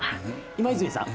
今泉さん。